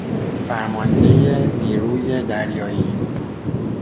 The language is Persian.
فرماندهی نیروی دریایی